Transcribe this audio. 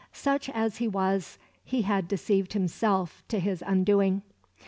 Such as he was, he had deceived himself to his undoing.